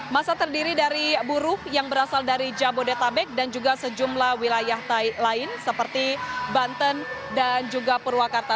masa terdiri dari buruh yang berasal dari jabodetabek dan juga sejumlah wilayah lain seperti banten dan juga purwakarta